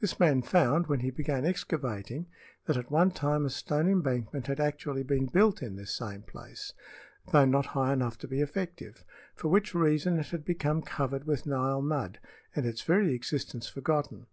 This man found, when he began excavating, that at one time a stone embankment had actually been built in this same place, although not high enough to be effective, for which reason it had become covered with Nile mud and its very existence forgotten.